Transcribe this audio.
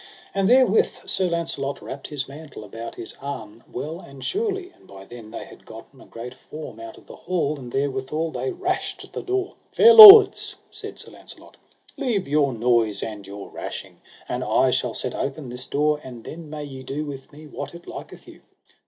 And therewith Sir Launcelot wrapped his mantle about his arm well and surely; and by then they had gotten a great form out of the hall, and therewithal they rashed at the door. Fair lords, said Sir Launcelot, leave your noise and your rashing, and I shall set open this door, and then may ye do with me what it liketh you.